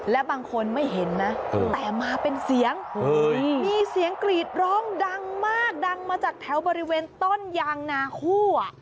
และบางคนไม่เห็นนะแต่มาเป็นเสียงมีเสียงกรีดร้องดังมากดังมาจากแถวบริเวณต้นยางนาคู่